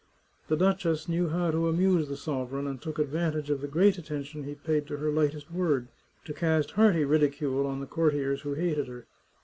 The duchess knew how to amuse the sovereign, and took advantage of the great at tention he paid to her lightest word, to cast hearty ridicule on the courtiers who hated her.